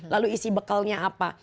lalu isi bekalnya apa